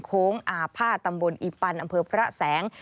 โค้งอาภาษตำบลอีปันอำเภอพระแสง